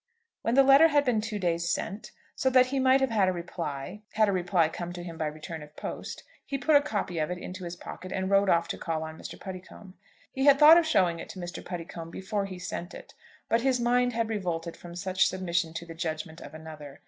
When the letter had been two days sent, so that he might have had a reply had a reply come to him by return of post, he put a copy of it into his pocket and rode off to call on Mr. Puddicombe. He had thought of showing it to Mr. Puddicombe before he sent it, but his mind had revolted from such submission to the judgment of another.